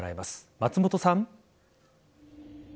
松本さん。